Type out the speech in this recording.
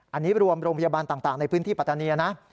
อันนี้รวมโรงพยาบาลต่างในพื้นที่ปัตตาเนียนะ